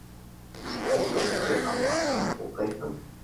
— Нисек инде уҡый алмаҫһың? Уҡыйһың.